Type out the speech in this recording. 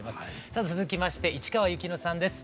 さあ続きまして市川由紀乃さんです。